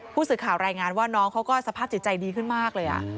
ผู้สื่อข่าวรายงานว่าน้องเขาก็สภาพจิตใจดีขึ้นมากเลย